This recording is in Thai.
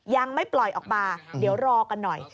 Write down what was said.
ยังไม่ปล่อยออกมาเดี๋ยวรอกันหน่อย